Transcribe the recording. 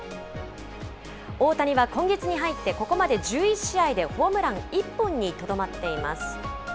大谷は今月に入って、ここまで１１試合でホームラン１本にとどまっています。